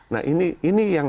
nah ini yang